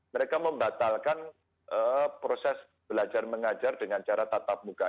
mereka membatalkan proses belajar mengajar dengan cara tatap muka